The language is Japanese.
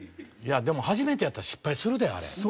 いやでも初めてやったら失敗するであれ。